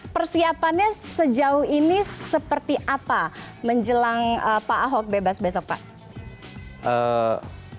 persiapannya sejauh ini seperti apa menjelang pak ahok bebas besok pak